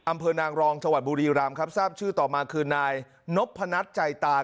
อำเภอนางรองจังหวัดบุรีรำครับทราบชื่อต่อมาคือนายนพนัทใจตาน